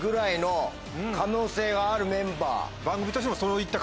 があるメンバー。